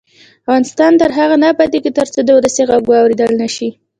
افغانستان تر هغو نه ابادیږي، ترڅو د ولس غږ واوریدل نشي.